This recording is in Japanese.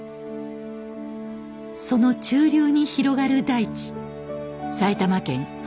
その中流に広がる大地埼玉県羽生市です。